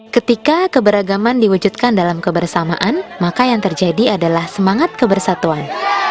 ketika keberagaman diwujudkan dalam kebersamaan maka yang terjadi adalah semangat kebersatuan